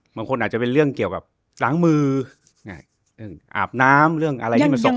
บางคนอาจจะเป็นเรื่องเกี่ยวกับล้างมือเรื่องอาบน้ำเรื่องอะไรที่มันสก